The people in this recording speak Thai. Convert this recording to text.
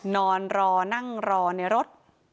นอนรอนั่งรอในรถ